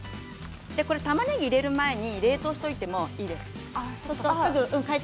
たまねぎ入れる前に冷凍してでもいいです。